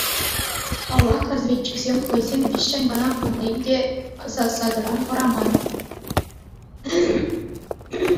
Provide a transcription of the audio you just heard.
Паллах, разведчиксем — хӑйсем виҫҫӗн кӑна пулнӑ пулин те — засадӑран хӑраман.